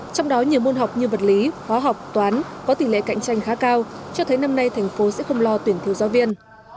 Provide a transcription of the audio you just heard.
trong đó nhiều môn học như vật lý hóa học toán có tỷ lệ cạnh tranh khá cao cho thấy năm nay thành phố sẽ không lo tuyển thiếu giáo viên